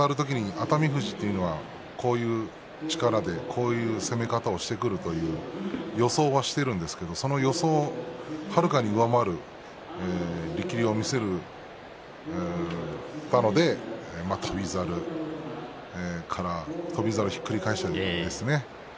熱海富士というのはこういう力でこういう攻め方をしてくるという予想はしているんですけれどその予想を、はるかに上回る力量を見せたので翔猿をひっくり返しましたよね。